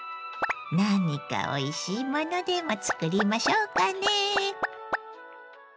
何かおいしいものでも作りましょうかね。